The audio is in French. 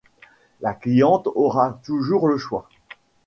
La cliente aura toujours le choix.